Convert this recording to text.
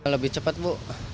lebih cepat bu